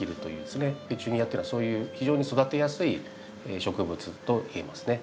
ペチュニアっていうのはそういう非常に育てやすい植物といえますね。